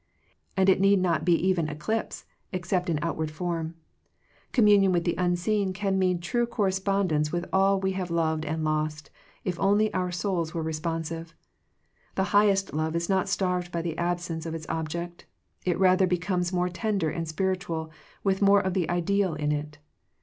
And it need not be even eclipse, except in outward form. Communion with the unseen can mean true correspondence with all we have loved and lost, if only our souls were responsive. The highest love is not starved by the absence of its object; it rather becomes more tender and spiritual, with more of the ideal in it.